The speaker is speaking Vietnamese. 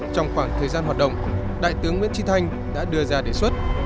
trong khoảng thời gian hoạt động đại tướng nguyễn trí thanh đã đưa ra đề xuất